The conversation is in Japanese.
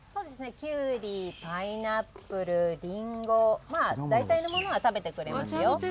きゅうり、パイナップルりんご大体いろんなもの食べてくれます。